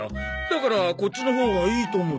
だからこっちのほうがいいと思って。